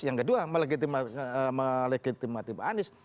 yang kedua melegitimasi pak anies